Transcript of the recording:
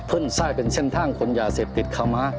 เพื่อนไซต์เป็นเช่นทางขนอย่าเสพทิศเขามา